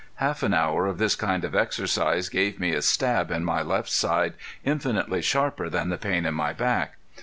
Half an hour of this kind of exercise gave me a stab in my left side infinitely sharper than the pain in my back.